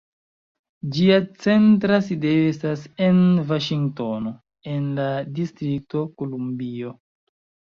Ĝia centra sidejo estas en Vaŝingtono, en la Distrikto Kolumbio.